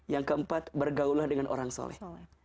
yang keempat bergaullah dengan orang soleh